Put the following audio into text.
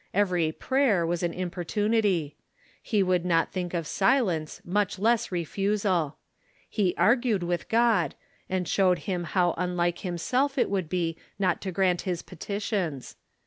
Every prayer was an importunity. He would not think of silence, much less refusal. He argued with God, and showed him how unlike himself it would be not to grant his petitions.